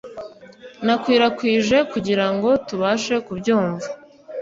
Nakwirakwije kugirango tubashe kubyumva